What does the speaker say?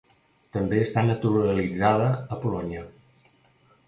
També està naturalitzada a Polònia.